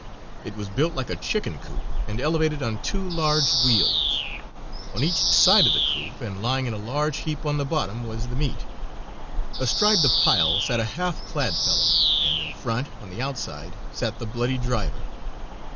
It was built like a chicken coop, and elevated on two large wheels. On each side of the coop and lying in a large heap on the bottom, was the meat. Astride the pile sat a half clad fellow, and in front, on the outside, sat the "bloody" driver.